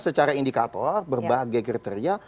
secara indikator berbagai kriteria